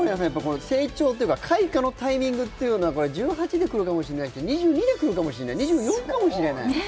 成長というか開花のタイミングというのは１８で来るかもしれないし２２で来るかもしれない、２４かもしれない。